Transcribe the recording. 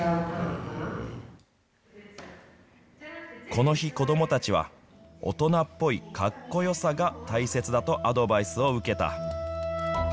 この日、子どもたちは大人っぽいかっこよさが大切だとアドバイスを受けた。